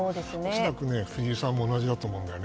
恐らく、藤井さんも同じだと思う。